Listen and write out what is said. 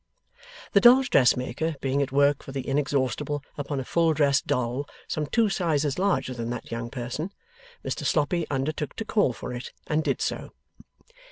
The dolls' dressmaker, being at work for the Inexhaustible upon a full dressed doll some two sizes larger than that young person, Mr Sloppy undertook to call for it, and did so.